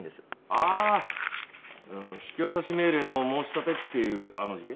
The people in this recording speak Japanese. ああ引渡命令の申し立てっていうあの事件？